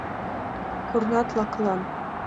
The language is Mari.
— Корнат лакылан...